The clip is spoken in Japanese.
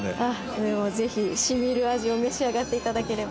それはぜひ染みる味を召し上がって頂ければ。